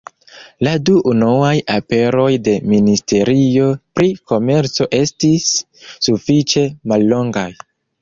La du unuaj aperoj de ministerio pri komerco estis sufiĉe mallongaj.